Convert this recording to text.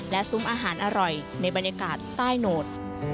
และซุ้มอาหารอร่อยในบรรยากาศใต้โหนด